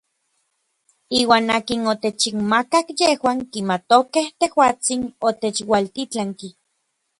Iuan akin otechinmakak yejuan kimatokej tejuatsin otechualtitlanki.